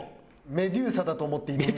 メデューサだと思って挑みます。